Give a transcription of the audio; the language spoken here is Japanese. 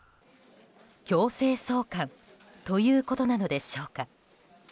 強制送還ということなのでしょうか。